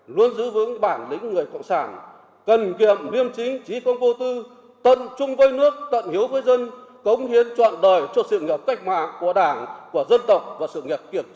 luôn giữ vững bản lĩnh người cộng sản